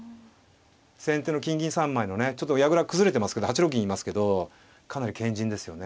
先手の金銀３枚のねちょっと矢倉崩れてますけど８六銀いますけどかなり堅陣ですよね。